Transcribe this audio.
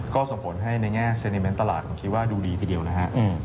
ก็ส่งผลให้ในแง่เซนิเมนต์ตลาดผมคิดว่าดูดีทีเดียวนะฮะ